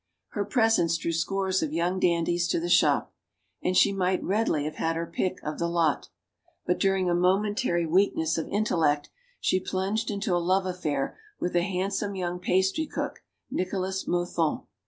Her presence drew scores of young dandies to the shop. And she might readily have had her pick of the lot. But during a momentary weakness of intellect, she plunged into a love affair with a handsome young pastry cook, Nicolas Mothon.